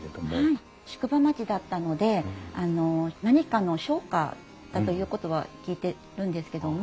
はい宿場町だったので何かの商家だということは聞いてるんですけども。